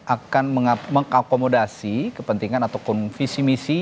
akan mengakomodasi kepentingan ataupun visi misi